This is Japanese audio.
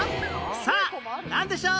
さあなんでしょう？